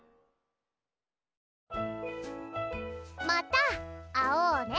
また会おうね。